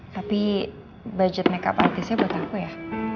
tapi budget makeup artisnya buat aku ya